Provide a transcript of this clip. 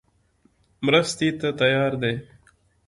مرستې ته تیار دی.